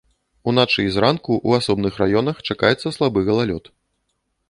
Уначы і зранку ў асобных раёнах чакаецца слабы галалёд.